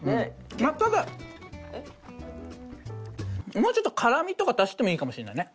もうちょっと辛みとか足してもいいかもしれないね。